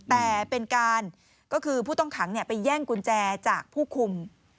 แต่เป็นการก็คือผู้ต้องขังไปแย่งกุญแจจากผู้คุม